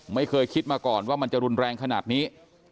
ไม่เคยคิดมาก่อนว่ามันจะรุนแรงขนาดนี้